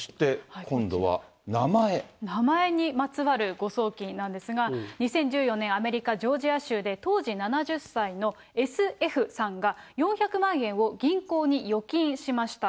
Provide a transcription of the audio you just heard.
名前にまつわる誤送金なんですが、２０１４年、アメリカ・ジョージア州で当時７０歳のＳ・Ｆさんが４００万円を銀行に預金しました。